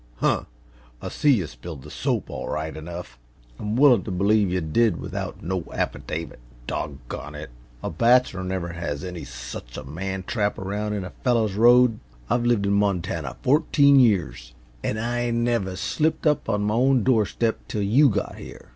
"Huh! I see yuh spilled the soap, all right enough. I'm willin' to believe yuh did without no affidavit. Doggone it, a bachelor never has any such a man trap around in a fellow's road. I've lived in Montana fourteen years, an' I never slipped up on my own doorstep till you got here.